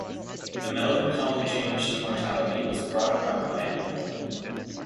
The melancholy change to mortality was brought about by an old woman.